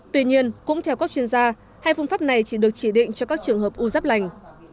tuy nhiên cũng theo các chuyên gia hai phương pháp này chỉ được chỉ định cho các trường hợp u giáp lành